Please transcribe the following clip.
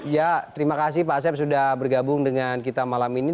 ya terima kasih pak asep sudah bergabung dengan kita malam ini